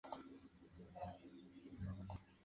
Tu usuario uno con un par más